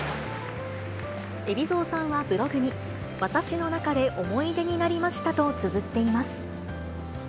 海老蔵さんはブログに、私の中で思い出になりましたとつづっています。